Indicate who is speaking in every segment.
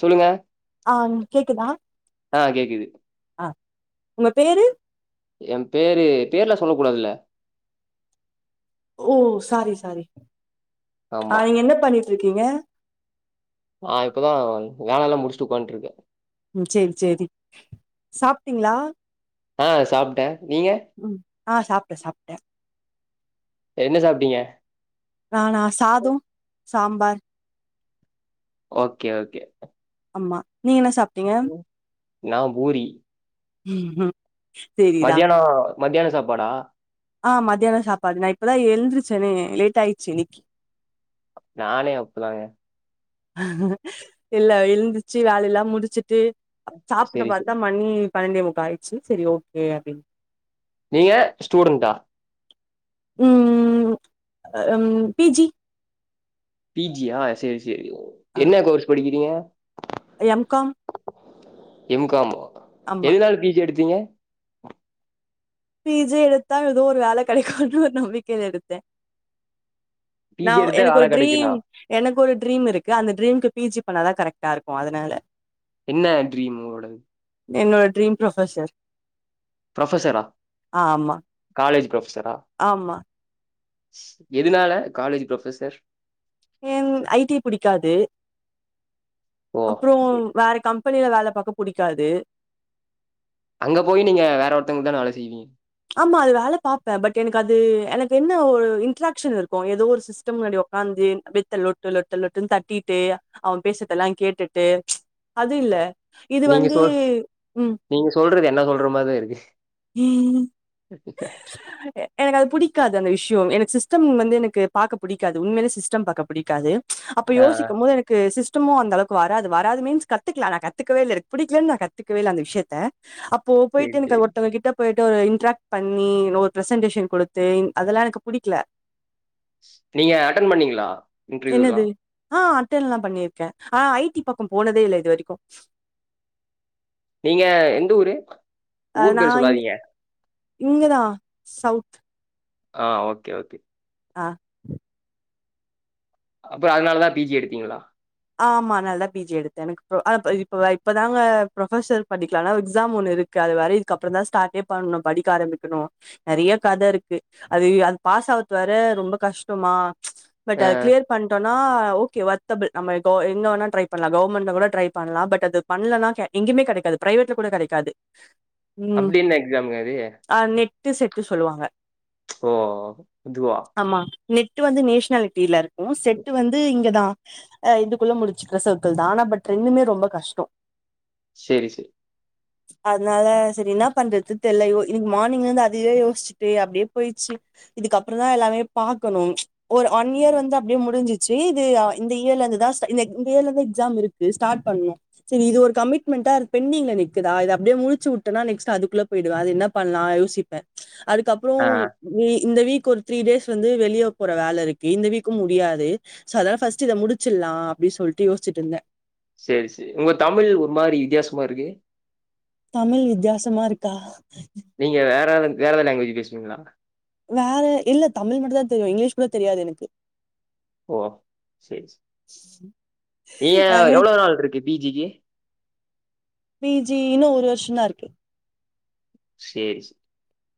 Speaker 1: சொல்லுங்க
Speaker 2: ஆம் கேக்குதா
Speaker 1: ஆ கேக்குது
Speaker 2: ஆ உங்க பேரு
Speaker 1: ஏன் பேரு பேர்ல சொல்ல கூடாதுல்ல
Speaker 2: ஓ சாரி சாரி ஆ
Speaker 1: ஆமா
Speaker 2: நீங்க என்ன பண்ணிட்ருக்கீங்க
Speaker 1: நா இப்பதா வேலலா முடிஸ்ட்டு உக்கான்ட்ருக்க
Speaker 2: ம் சேரி சேரி சாப்டீங்ளா
Speaker 1: ஆ சாப்ட்ட நீங்க
Speaker 2: ம் ஆ சாப்ட்ட சாப்ட்ட
Speaker 1: என்ன சாப்டீங்க
Speaker 2: நானா சாதோ சாம்பார்
Speaker 1: ஓகே ஓகே
Speaker 2: ஆமா நீங்க என்ன சாப்டீங்க
Speaker 1: நான் பூரி
Speaker 2: ம் ம்
Speaker 1: மதியானோ மத்தியானோ சாப்பாடா
Speaker 2: ஆ மத்தியானோ சாப்பாடு நா இப்பதா எழுந்துருச்சனே லேட் ஆய்ச்சு இன்னக்கி
Speaker 1: நானே அப்புதாங்க
Speaker 2: இல்ல எழுந்துச்சு வேலெல்லா முடிச்சுட்டு சாப்புட
Speaker 1: சரி சரி
Speaker 2: பாத்தா மணி பணண்டேமுக்கா ஆய்ச்சு செரி ஓகே அப்டின்
Speaker 1: நீங்க ஸ்டூடண்ட்டா
Speaker 2: ம் ம் அ ம் பி ஜி
Speaker 1: பி ஜி யா சேரி சேரி என்ன கோர்ஸ் படிக்கிறீங்க
Speaker 2: எம் காம்
Speaker 1: எம் கா மா
Speaker 2: ஆமா
Speaker 1: எதுனால பி ஜி எடுத்தீங்க
Speaker 2: பி ஜி எடுத்தா எதோ ஒரு வேல கெடைக்குன்ற ஒரு நம்பிக்கைல எடுத்தே நா
Speaker 1: பிஜி எடுத்தா
Speaker 2: எனக்கு
Speaker 1: வேலை
Speaker 2: ஒரு
Speaker 1: கிடைக்கும்னா
Speaker 2: ட்ரீம் எனக்கு ஒரு ட்ரீம் இருக்கு அந்த ட்ரீம்க்கு பி ஜி பண்ணாதா கரெக்ட்டா இருக்கு அதுனால
Speaker 1: என்ன ட்ரீம் உங்ளோடது
Speaker 2: என்னோட ட்ரீம் புரொபசர்
Speaker 1: புரொபசரா
Speaker 2: ஆமா
Speaker 1: காலேஜ் புரொப்சரா
Speaker 2: ஆமா
Speaker 1: எதுனால college professor
Speaker 2: N I T புடிக்காது
Speaker 1: ஓ
Speaker 2: அப்றோ
Speaker 1: சரி
Speaker 2: வேற கம்பெனில வேல பாக்க புடிக்காது
Speaker 1: அங்க போய் நீங்க வேற ஒருத்தங்குத்தான வேல செய்வீங்க
Speaker 2: ஆமா அது வேல பாப்பே பட் எனக்கு அது எனக்கு என்ன ஒரு இன்ட்ராகஷன் இருக்கு எதோ ஒரு சி ஸ்டம் முன்னாடி ஒக்காந்து வெத்த லொட்டு லொட்டு லொட்டுன்னு தட்டிட்டு அவ பேசுறதெல்லா கேட்டுட்டு அது இல்ல இது
Speaker 1: நீங்க
Speaker 2: வந்து
Speaker 1: சொல் நீங்க சொல்றது என்ன சொல்ற மாதிரி இருக்கு
Speaker 2: ம்
Speaker 1: ப்ப
Speaker 2: எனக்கு அது புடிக்காது அந்த விஷியோ எனக்கு சிஸ்டம் வந்து எனக்கு பாக்க புடிக்காது உண்மையிலே சிஸ்டம் பாக்க புடிக்காது அப்ப
Speaker 1: ஆ ஆ
Speaker 2: யோசிக்கும்போது எனக் கு சிஸ்டமு அந்தளவுக்கு வராது வராது மீன்ஸ் கத்துக்கல நா கத்துக்கவே இல்ல எனக்கு புடிக்கலனு நா கத்துக்கவே இல்ல அந்த விஷியத்த அப்போ
Speaker 1: சரி
Speaker 2: போயிட்டு எனக்கு
Speaker 1: சரி
Speaker 2: அ ஒருத்தங்க கிட்ட போயிட்டு ஒரு இன்ட்ராக்ட் பண்ணி நோ ஒரு ப்ரசன்டேஷன் குடுத்து இங் அதெல்லா எனக்கு புடிக்ல
Speaker 1: நீங்க அட்டன் பண்ணீங்களா இன்ட்ருயூலா
Speaker 2: என்னது ஆ அட்டன்லா பண்ணிருக்க ஆ ஐடி பக்கம் போனதே இல்ல இது வரைக்கு
Speaker 1: நீங்க எந்த ஊரு ஊர்
Speaker 2: நா
Speaker 1: பேர்
Speaker 2: இங்க
Speaker 1: சொல்லாதீங்க.
Speaker 2: இங்கதா சவுத்
Speaker 1: ஆ ஓகே ஓகே
Speaker 2: ஆ
Speaker 1: அப்ப அதனாலதா பீஜி எடுத்தீங்களா
Speaker 2: ஆமா அத்னாலதா பீஜி எடுத்தே எனக்கு இப்போ அப் இப்போ இப்பதாங்க ப்ரொஃபெசர் படிக்குலானா எக்ஸாம் ஒன்னு இருக் அது வேற இதுக்கப்புறோந்தா ஸ்டார்ட்டே பண்ணு படிக்க ஆரம்பிக்குணு நெறையா கத இருக்கு அது அது பாஸ் ஆவுது வேற ரொம்போ கஷ்டமா
Speaker 1: ஆ
Speaker 2: பட் அது கிளியர் பண்ட்டோனா ஓகே வொர்த்தபுள் நம்ம எக்கோ எங்க வேனா ட்ரை பண்ணலா கவர்மெண்ட்ல கூட பண்ணலா பட் அது பண்லனா கெ எங்கேயிமே கெடைக்காது பிரைவேட்ல கூட கெடைக்காது ம்
Speaker 1: அப்டி என்ன எக்ஸாமுங்க அது
Speaker 2: ஆ நெட்டு செட்டு சொல்லுவாங்க
Speaker 1: ஓ ஓ ஓ அதுவா
Speaker 2: ஆமா நெட்டு வந்து நேஷ்னாலிட்டில இருக்கு செட்டு வந்து இங்கதா ஆ இதுக்குள்ள முடிச்சுக்கிற சர்க்குள்தா ஆனா பட் ரெண்டுமே ரொம்ப கஷ்டோ
Speaker 1: சேரி சேரி
Speaker 2: அதுனால சேரி என்னா பண்றது தெல்ல யோ இன்னிக்கு மார்னிங்ல இருந்து அதுவே யோசிச்சுட்டு அப்டியே போயிட்ச்சி இதுக்கப்றோதா எல்லாமே பாக்கணு ஒரு ஒன் இயர் வந்து அப்டியே முடிஞ்சிச்சு இது ஆ இந்த இயர்ல இந்து இதா ஸ்டா இந்த எக் இங்க இயர்லதா எக்ஸாம் இருக்கு ஸ்டார்ட் பண்ணணு சேரி இது ஒரு கமிட்மெண்டா அது பெண்டிங்ல நிக்குதா இத அப்டியே முடிச்சு வுட்டனா நெக்ஸ்ட் அதுக்குள்ள பெயிடுவ அது என்ன பண்லா யோசிப்பே அதுக்கப்றோ
Speaker 1: ஆ
Speaker 2: வீ இந்த வீக் ஒரு த்ரீ டேஸ் வந்து வெளிய போற வேல இருக்கு இந்த வீக்கு முடியாது சோ அதா ஃபர்ஸ்ட் இத முடிச்சில்லா அப்டி சொல்டு யோசிச்சிட்டு இருந்த
Speaker 1: சேரி சேரி உங்க தமிழ் ஒரு மாரி வித்தியாசமா இருக்கு
Speaker 2: தமிழ் வித்தியாசமா இருக்கா
Speaker 1: நீங்க வேறாவ வேறெதாவது லாங்குவேஜ் பேசுவீங்களா
Speaker 2: வேற இல்ல தமிழ் மட்டுந்தா தெரியு இங்கிலீஷ் கூட தெரியாது எனக்கு
Speaker 1: ஓ அப் சேரி சேரி நீங்க
Speaker 2: அ எனக்கு
Speaker 1: எவ்ளோ நாள் இருக்கு பீஜிக்கு
Speaker 2: பீஜி இன்னோ ஒரு வருஷோந்தா இருக்கு
Speaker 1: செரி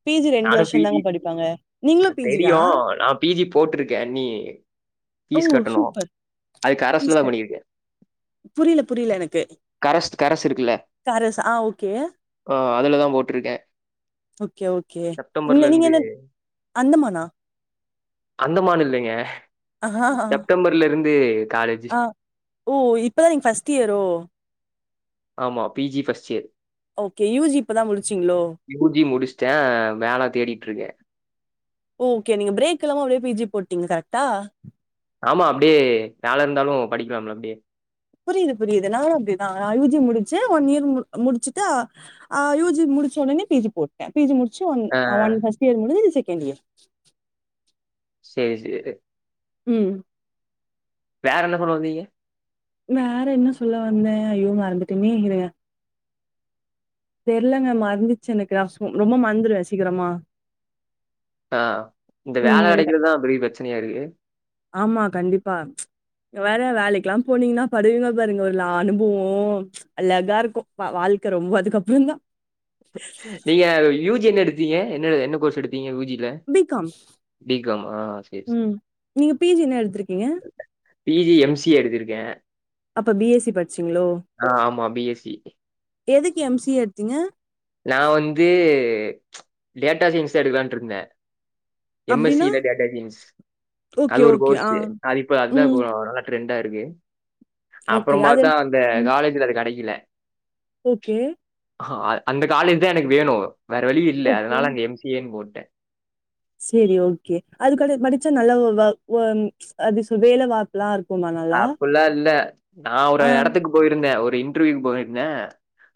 Speaker 2: பிஜி
Speaker 1: நானு பீ
Speaker 2: வருஷம்
Speaker 1: ஜி
Speaker 2: தாங்க படிப்பாங்க. நீங்களும்
Speaker 1: அது
Speaker 2: பிஜியா?
Speaker 1: தெரியு நா பீ ஜி போட்டிருக்கே அண்ணி
Speaker 2: ஓ!
Speaker 1: ஃபீஸ் கட்டணு
Speaker 2: சூப்பர்.
Speaker 1: அதுக்கு கரசுல தா பண்ணியிருக்கே
Speaker 2: புரியில புரியில எனக்கு
Speaker 1: கரஸ் கரசு இருக்குல்ல
Speaker 2: காரஸ் ஆ ஓகே.
Speaker 1: ஆ அதுல தா போட்டிருக்கே
Speaker 2: ஓகே ஓகே நீ நீங்க
Speaker 1: இருந்து
Speaker 2: என்ன அந்தமான்னா
Speaker 1: அந்தமான்னு இல்லைங்க
Speaker 2: ஆஹா!
Speaker 1: செப்டம்பர்ல இருந்து காலேஜ்
Speaker 2: ஆ ஓ இப்பதா நீங்க ஃபஸ்ட் இய்யரோ
Speaker 1: ஆமா P G first year
Speaker 2: okay U G இப்ப தா முடிச்சுங்ளோ
Speaker 1: யூ ஜி முடிச்ட்டே வேல தேடிட்டு இருக்கே
Speaker 2: ஓகே நீங்க பிரேக் இல்லாம அப்டியே பீ ஜி போட்டீங்க கரெக்டா
Speaker 1: ஆமா அப்டியே வேல இருந்தாலு படிக்கலால அப்டியே
Speaker 2: புரியி புரியிது நானு அப்டிதா நா யூ ஜி முடிச்சு ஒன் இயர் முடிச்சுட்டு ஆஹ யூ ஜி முடிச்ச உடனே பீ ஜி போட்டே பீ ஜி முடிச்சு ஒ
Speaker 1: ஆஹ்
Speaker 2: ஒன் ஃப்ஸ்ட்டு இயர் முடிச்சு செகண்ட் இயர்
Speaker 1: சேரி சேரி
Speaker 2: ம்
Speaker 1: வேற என்ன சொல்லவந்தீங்க
Speaker 2: வேற என்ன சொல்ல வந்தே ஐயோ மறந்துட்டனே இருங்க தெரிலங்க மறந்துர்ச்சு எனக்கு ரொம்ப மறந்துருவே சீக்ரமா
Speaker 1: ஆ இந்த வேல
Speaker 2: ம் எனக்கு
Speaker 1: கெடைக்கிறதுதா பெரிய பிரச்சனையா இருக்கு
Speaker 2: ஆமா கண்டிப்பா வேற வேலைக்ல்லா போனீங்ன்னா படுவீங்க பாருங்க ஒரு அனுபவோ அழகா இருக்கு வாழ்க்க ரொம்ப அதுக்கப்றோ தா
Speaker 1: நீங்க யூ ஜி என்ன எடுத்தீங்க என்ன என்ன கோர்ஸ் எடுத்தீங்க யூ ஜி
Speaker 2: பீ கம்
Speaker 1: சரி
Speaker 2: ம் நீங்க பீ ஜி என்ன ன எடுத்துருக்கீங்க
Speaker 1: P G M C A எடுத்திருக்கே
Speaker 2: அப்ப பி எஸ்சி படிச்சீங்ளோ
Speaker 1: ஆமா பி எஸ் சி.
Speaker 2: எதுக்கு எம் சி ஏ எடுத்தீங்க
Speaker 1: நா வந்து டேட்டா சயின்ஸ் எடுக்லான்ட்டு இருந்தே எம் எஸ் சி
Speaker 2: அப்டின்னா?
Speaker 1: ல டேட்டா சைன்ஸ்
Speaker 2: ஓகே,
Speaker 1: அது ஒரு
Speaker 2: ஓகே. ஆ.
Speaker 1: கோர்ஸ் அது இப்ப அதுதா
Speaker 2: ம்.
Speaker 1: நல்ல ரெண்டா இருக்கு அப்றோ
Speaker 2: ஓகே. அது
Speaker 1: பார்த்தா அந்த
Speaker 2: ம்.
Speaker 1: காலேஜ்ல அது கெடைக்கல
Speaker 2: ஓகே
Speaker 1: அ அந்த காலேஜ் தா எனக்கு வேணு வேற வழி இல்ல
Speaker 2: ஓகே.
Speaker 1: அதனால அங்க எம் சி ஏன்னு போட்டே
Speaker 2: சரி ஓகே அது க படிச்சா நல்ல வொ அது வேல எல்ல இருக்குமா நா
Speaker 1: அப்புட்ல்லா இல்ல நா ஒரு எடத்துக்கு பொயிருந்தே ஒரு இன்டர்வ்யூக்கு பொயிருந்தே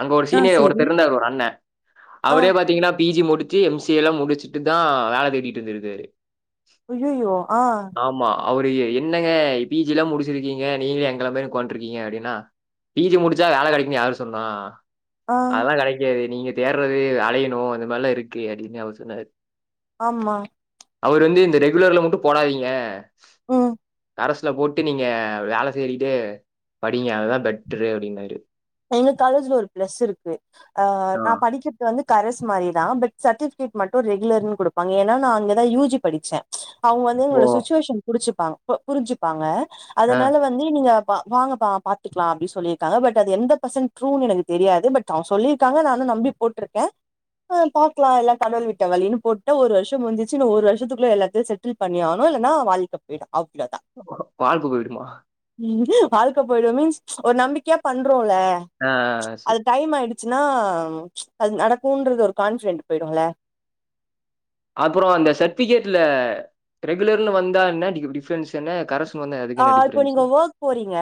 Speaker 1: அங்க ஒரு
Speaker 2: ஆ
Speaker 1: சீனியர்
Speaker 2: சரி.
Speaker 1: ஒருத்தர் ஒரு அண்ண
Speaker 2: ஆ,
Speaker 1: அவரே பாத்திங்கன்னா பீ ஜி முடிச்சு எம் சி ஏ ல்லா முடிச்சுட்டு தா வேல தேடிட்டு இருந்துருக்காரு
Speaker 2: அய்யயோ அ
Speaker 1: ஆமா அவுரு என்னங்க பீ ஜி ல்லா முடிச்சு ருக்கீங்க நீங்களு எங்கல மாதிரி உக்கான்ட்ருக்கீங்க அப்டின்னா பீ ஜி முடிச்சா வேல கெடைக்குனு யாரு சொன்னா
Speaker 2: ஆ,
Speaker 1: அதலா கெடைக்காது நீங்க தேடுறது அலையணு அந்த மாரிலா இருக்கு அப்டின்னு அவரு சொன்னாரு
Speaker 2: ஆம்மா
Speaker 1: அவரு வந்து இந்த ரெகுலர்ல மட்டு போடாதீங்க
Speaker 2: ம்
Speaker 1: கரசுல போட்டு நீங்க வேல தேடிட்டே படிங்க அதுதா பெட்ரு அப்டின்னாரு
Speaker 2: எங்க காலேஜ்ல ஒரு பிளஸ்ஸுருக்கு அ
Speaker 1: ஆ.
Speaker 2: நா படிக்க வந்து கரஸ் மாரிதா பட் சர்டிஃபிகேட் மட்டு ரெகுலர்ன்னு குடுப்பாங்க ஏன்னா நா அங்கதா யூஜி படிச்சே அவுங்க வந்து
Speaker 1: ஓ!
Speaker 2: உங்க சுச்சுவேச புடிச்சுப்பாங் புரிஞ்சுப்பாங்க
Speaker 1: ஆ.
Speaker 2: அதுனால வந் நீ நீங்க வாங்க பாத்துக்லா அப்டி சொல்லிருக்காங்க பட் அது எந்த பர்சன் ட்ரூ எனக்கு தெரியாது பட் அவுங்க சொல்லிர்க்காங்க நானு நம்பி போட்ருக்கே அ பாக்லா எல்லா கடவுள் விட்ட வழினு போட்ட ஒரு வருஷ முஞ்சிச்சு இன்னு ஒரு வருஷத்துக்குள்ள எல்லாத்தையு செட் செடில் பண்ணியாவுனு இல்லனா வாழ்க்க பேயிடு அவ்ளதா
Speaker 1: வாழ்க்க போய்டுமா
Speaker 2: வாழ்க போய்டு மீன்ஸ் ஒரு நம்பிக்கையா பண்றோன்ல
Speaker 1: ஆ, ஆ. சரி.
Speaker 2: அது டைமாய்டு ச்சுனா அது நடக்குன்றது ஒரு கான்ஃபிடன்ட் பேய்டுல்ல
Speaker 1: அப்புற இந்த சட்விகேட்ல ரெகுலர்னு வந்தா என்ன டிஃப்ரன்ஸ் என்ன கரஸ்
Speaker 2: அ இப்ப நீங்க ஒர்க் போறீங்க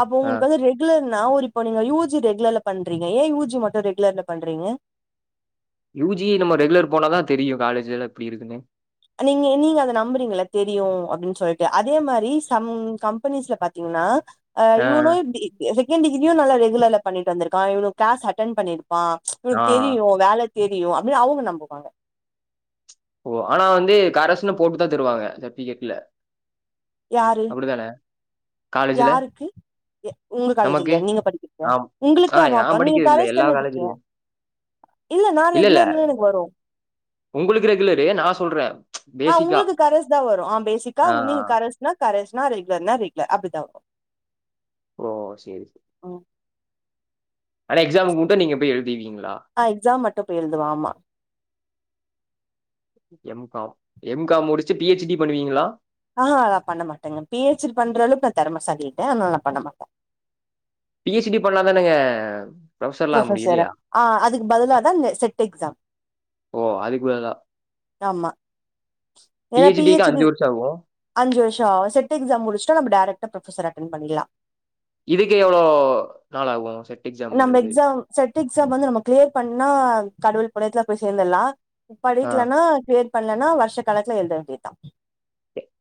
Speaker 2: அப்ப
Speaker 1: ஆ.
Speaker 2: உங்குளுக்கு வந்து ரெக் குலர்னா ஒருப்ப நீங்க யூஜி ரெகுலர்ல பண்றீங்க ஏன் யூஜி மட்டு ரெகுலர்ல பண்றீங்க
Speaker 1: யூஜி நம்ம ரெகுலர் போனாதா தெரியு காலேஜ்லா எப்டி இருக்குன்னு
Speaker 2: நீங்க நீங்க அத நம்புறீங்கள தெரியு அப்டின்டு சொல்ட்டு அதே மாரி சம் கம்பெனிஸ்ல பத் நா அ
Speaker 1: ஆ,
Speaker 2: இவுனு இப்டி செகண்ட்டிகிரியு நல்லா ரெகுலர்ல பண்ணிட்டு வந்துருக்கா இவுனு க்ளாஸ் அட்டென் பண்ணிருப்பா
Speaker 1: ஆ.
Speaker 2: இவுனுக்கு தெரியு வேல தெரியு அப்டினு அவுங்க நம்புவாங்க
Speaker 1: ஓ ஆனா வந்து கரசுன்னு போட்டுதா தருவாங்க சட்விகேட்ல
Speaker 2: யாரு
Speaker 1: அப்டிதானே
Speaker 2: யாருக்கு ஒங்க
Speaker 1: நமக்கு?
Speaker 2: காலேஜ்லையா நீங்க படிகறதா
Speaker 1: ஆம். ஆ
Speaker 2: ஒங்குளுக்கு
Speaker 1: நான்
Speaker 2: அப நீங்க
Speaker 1: படிக்கிறது இல்ல.
Speaker 2: கரஸ்
Speaker 1: எல்லா
Speaker 2: தான எடுத்ருக்கீங்க
Speaker 1: காலேஜ்லயும்.
Speaker 2: இல்ல நா ரெகுலர்லதா எனக் வரு
Speaker 1: உங்குளுக்கு ரெகுலரு நா சொல்றே
Speaker 2: அ உங்களுக்கு கரஸ்தா வரு அ பேசிக்கா
Speaker 1: ஆ, ஆ.
Speaker 2: உங்களுக்கு கரஸ்னா கரஸ்னா ரெகுலர்னா ரெகுலர் அப்டிதா வரு
Speaker 1: ஓ சேரி சேரி
Speaker 2: ம்
Speaker 1: ஆனா எக்ஸாமு மட்டு நீங்க போய் எழுதிவீங்களா
Speaker 2: அ எக்ஸா மட்டு போய் எழுதுவ ஆமா
Speaker 1: எம் காம் எம் காம் முடிச்சு பி ஹெச் டி பண்ணுவீங்களா
Speaker 2: ஆஹா நா பண்ண மாட்டங்க பி ஹெச் டி பண்ற அளவுக்கு நா தெறமசாலி இல்ல அனால நா பண்ண மாட்டே
Speaker 1: பி ஹெச் டி பண்ணாதானங்க
Speaker 2: ப்ரொபசரு அ அதுக்கு பதுலாதா இந்த செட் எக்ஸாம்
Speaker 1: ஓ அதுக்கு பதுலா
Speaker 2: ஆமா
Speaker 1: பி
Speaker 2: ஏன்னா
Speaker 1: எச் டிக்கு
Speaker 2: ஹெச் டி
Speaker 1: அஞ்சு வருஷ ஆவு
Speaker 2: அஞ்சு வருஷ ஆவு செட் எக்ஸாம் முடிச்சுட்டா நம்ம டைரக்டா ப்ரொபசர் அட்ட பண்ணில்லா
Speaker 1: இதுக்கு எவ்ளோ கால ஆவு செட்
Speaker 2: நம்ம
Speaker 1: எக்ஸாம்ங்றது
Speaker 2: எக்ஸாம் செட் எக்ஸாம் வந்து நம்ம க்ளியர் பண்ணா கடவுள் புணியத்துல போய் சேந்தல்லா
Speaker 1: ஆ.
Speaker 2: படிக்லன்னா க்ளியர் பண்லன்னா வருஷ கணக்குல எழுத வேண்டியதா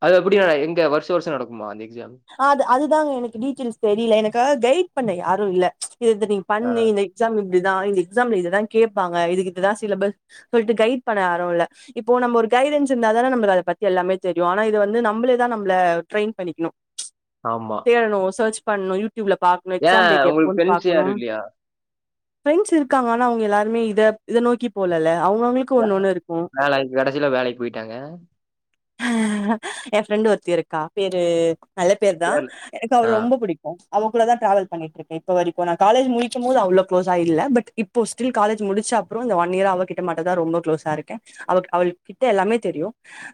Speaker 1: அது எப்டி எங்க வருஷ வருஷ நடக்குமா அந்த எக்ஸாம்
Speaker 2: அது அதுதாங்க எனக்கு டீட்டெய்ல்ஸ் தெரில எனக்கு கெய்ட் பண்ண யாரு இல்ல இ இத நீ
Speaker 1: ஆ.
Speaker 2: பண்ணு இந்த எக்ஸாம் இப்டிதா இந்த எக்ஸாம்ல இததா கேப்பாங்க இதுக்கு இப்டிதா சிலபஸ் சொல்ட்டு கைட் பண்ண யாருல்ல இப்போ நம்ப ஒரு கைடன்ஸ் இருந்தா தான நம்ப்ளுக் அத பத்தி எல்லாமே தெரியு ஆனா இது வந்து நம்ப்ளே தா நம்ப்ள ட்ரெயி பண்ணிக்ணு
Speaker 1: ஆமா
Speaker 2: டணும் சர்ச் பண்ணு யூட்யூப்ல பாக்ணு எக்ஸாம்
Speaker 1: ஏன்
Speaker 2: டேட் எப்போ
Speaker 1: உங்களுக்கு ஃப்ரெண்ட்ஸ்
Speaker 2: பாக்ணு
Speaker 1: யாரும் இல்லையா?
Speaker 2: ஃப்ரெண்ட்ஸ் இருக்காங்க ஆனா அவுங்க எல்லாருமே இத இத நோக்கி போலல அவுங்கவுங்களு கு
Speaker 1: வே
Speaker 2: ஒன்னொன்னு இருக்கு
Speaker 1: வேலைக்கு கடைசில வேலைக்கு போயிட்டாங்க.
Speaker 2: எ ஃப்ரெண்டு் ஒருத்தி இருக்கா பேரு நல்ல பேருதா
Speaker 1: தெர்ல.
Speaker 2: எனக்கு அவ
Speaker 1: ஆ.
Speaker 2: ரொம்ப புடிக் அ அவக்குள்ள தா டிராவல் பண்ணிட்ருக்கே இப்ப வரைக்கு நா காலேஜ் முடிக்கு போது அவ்ளோ க்ளோஸா இல்ல பட் இப் போ ஸ்டில் காலேஜ் முடிச்ச அப்புறோ இந்த ஒன் இயர் ஆவ கிட்ட மாட்டே தா ரொம்ப க்ளோஸா இருக்க அவ அவள் கிட்ட எல்லாமே தெரியு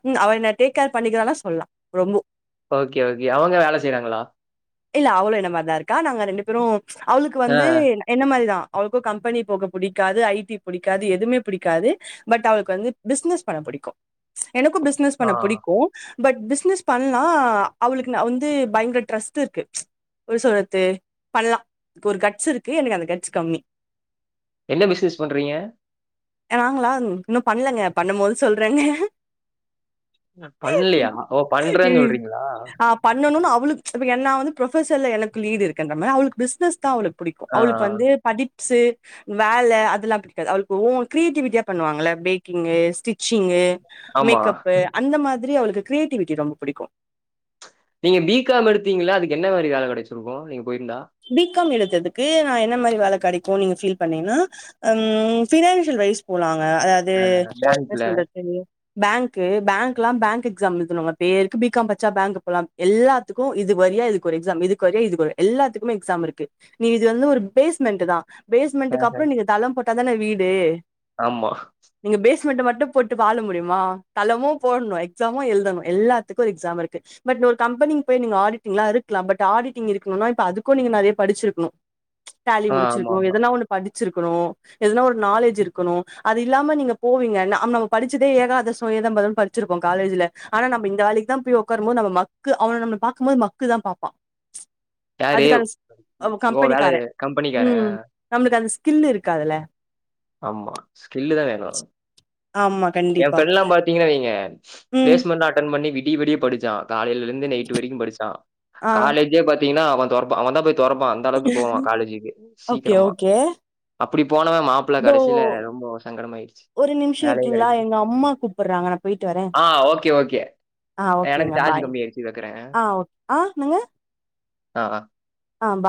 Speaker 2: ம் அவ என்ன டேக் கேர் பண்ணிக்கிறாலா சொல்லா ரொம்ப
Speaker 1: ஓகே ஓகே அவங்க வேல செய்றாங்களா
Speaker 2: இல்ல அவ்ளோ என்ன மார்தா இருக்கா நாங்க ரெண்டு பேரு அவளுக்கு
Speaker 1: ஆ,
Speaker 2: வந்து என்ன மார்தா அவளுக்கு கம்பெனி போக புடிக்காது ஐ டி புடிக்காது எதும்மே புடிக்காது பட் அவளுக்கு வந்து பிஸ்னஸ் பண்ண புடிக்கு எனக்கு பிஸ் னஸ்
Speaker 1: ஆ.
Speaker 2: பண்ண புடிக்கு பட் பிஸ்னெஸ் பண்லா அவளுக்கு நா வந்து பயங்கர ட்ரஸ் து இருக்கு எப்டி சொல்றது பண்லா ஒரு கட்ஸ் இருக்கு எனக்கு அந்த கட்ஸ் கம்மி
Speaker 1: என்ன பிஸ்னஸ் பண்றீங்க
Speaker 2: நாங்களா இன்னு பண்ணலங்க பண்ணுபோது சொல்றேங்க
Speaker 1: பண்லியா ஓ பண்றேன் சொல்றீங்களா
Speaker 2: பண்ணனுன் அவளுக் இப்போ என்ன அவ வந்து ப்ரொபஷர்ல எனக்கு லீவு இருக்கின்ற மார் அவளுக் பிஸ்னஸ் தா அவளுக் புடிக்கு
Speaker 1: ஆ, ஆ.
Speaker 2: அவ்ளுக் வந்து படிப்ஸ்சு வேல அதெல்லா பிடிக்காது அவளுக் ஓன் கிரியேட்டிவிட்டியா பண்ணுவாங்கல பேக்கிங்கு ஸ்டிச்சிங்கு
Speaker 1: ஆமா.
Speaker 2: மேக்கப்பு அந்த மாதிரி அவளுக்கு கிரியேட்டிவிட்டி ரொம்ப புடிக்கு
Speaker 1: நீங்க பிகாம் எடுத்தீங்களா அதுக்கு என்ன மாரி வேல கெடச்சிருக்கு நீங் போய்ருந்தா
Speaker 2: பிகம் எடுத்ததுக்கு நா என்ன மாரி வேல கடைக்கு நீங்க ஃபீல் பண்ணீங்ன்னா ம் பினான்சியல் வைஸ் போலாங்க அதாவது என்ன
Speaker 1: பேங்க்ல.
Speaker 2: சொல்றது தெரிலியே பேங்க்கு பேங்க் எல்லா பேங்க் எக்ஸாம் எழுதுனுங்க பேருக்கு பிகாம் பச்சா பேங்க் போலா எல்லாத்துக்கு இது வறியா இதுக்கு ஒரு எக்ஸாம் இதுக்கு ஒறி இதுக் ஒர் எல்லாத்துக் கும் எக்ஸாம் இருக்கு நீ இது வந்து ஒரு பேஸ்மெண்ட் தா பேஸ்மெண்ட்க்கு அப்புறோ நீங்க தளம் போட்டா தானே வீடு
Speaker 1: ஆமா
Speaker 2: நீங்க பேஸ்மெண்ட் மட்டு போட்டு வாழ முடியுமா தளம்மு போடணு எக்ஸாமு எழ்தணு எல்லாத்துக்கு எக்ஸாம் இருக்கு பட் ஒரு கம்பெனிக்கு போய் நீங்க ஆடிட்டிங்லா இருக்கலா பட் ஆடிட்டங் இருக்கணுன்னா இப்ப அது க்கு நீங்க நறைய படிச்சிருக்ணு டேலி
Speaker 1: ஆ,
Speaker 2: முடிச்சிருக்கணு
Speaker 1: ஆமாமா.
Speaker 2: எதனா ஒண்ணு படிச்சிருக்கணு எதுனா ஒரு நாலேஜ் இருக்கணு அது இல்லாம நீங்க போவீங்க ந நம் படிச்சதே ஏகாதச எதம்பதம் படி ச்சிருப்போ காலேஜ்ல ஆனா நம் இந்த வேலைக்கு தா போய் உக்காரும்போது நம்ம மக்கு அவன நம்ம பாக்கும்போது மக்குதா பாப்பா
Speaker 1: யாரு?
Speaker 2: அதுக்கான
Speaker 1: ஓ! வேலை
Speaker 2: கம்பெனிக்கார
Speaker 1: கம்பெனிக்காரன்.
Speaker 2: ம் நம்மளுக் அந்த ஸ்கில்லு இருக்காதுல
Speaker 1: ஆமா ஸ்கில்லு தா வேணு
Speaker 2: ஆமா
Speaker 1: எ
Speaker 2: கண்டிப்பா
Speaker 1: ஃரெண்ட்லா பாத்தீங்கன்னா வெய்ங்க
Speaker 2: ம்
Speaker 1: பிளேஸ்மெண்ட் அட்டென் பண்ணி விடி விடிய படிச் சா காலையில இருந்து நைட்டு வரைக்கு படிச்சா
Speaker 2: ஆ
Speaker 1: காலேஜே பாத்தீங்கன்னா அவ தொரப்ப அவன் தா போய் தொரப்பா தளக்கு போவா காலேஜுக்கு
Speaker 2: ஓகே
Speaker 1: சீக்கிரமா
Speaker 2: ஓகே
Speaker 1: அப்படி போனவ மாப்பிள்ள
Speaker 2: இதோ
Speaker 1: கடசியில ரொம்போ சங்கடமாயிடுச்சு
Speaker 2: ஒரு நிமிஷ
Speaker 1: வேலையே
Speaker 2: இருக்கீங்களா
Speaker 1: கெடைக்கல
Speaker 2: எங்க அம்மா கூப்பற்றாங்க நா போயிட்டு வரே
Speaker 1: ஆ ஓகே ஓகே
Speaker 2: ஆ
Speaker 1: எனக்கு
Speaker 2: ஓகேங்க
Speaker 1: சார்ஜ்
Speaker 2: பாய்
Speaker 1: கம்மியாயிடுச்சு வைக்கிறேன்
Speaker 2: ஆ ஓக் ஆ என்னங்க
Speaker 1: ஆ ஆ
Speaker 2: ஆ பா